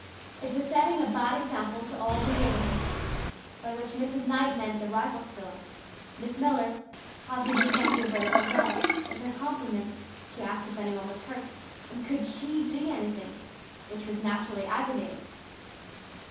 It was setting a bad example to all the neighborhood by which Mrs. Knight meant the rival school, Miss Miller having just sent over a little girl, with her compliments, to ask if any one was hurt, and could she do anything? which was naturally aggravating!